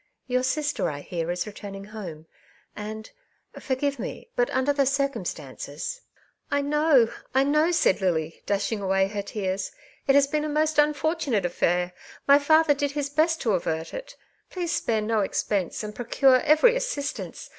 " Tour sister, I hear, is returning home ; and, forgive me, but under the circumstances —"'' I know, I know/' said Lily, dashing away her tears. '* It has been a most unfortunate affair ; my father did his best to avert it. Please spare no expense, and procure every assistance.